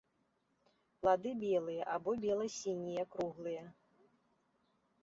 Плады белыя або бела-сінія круглыя.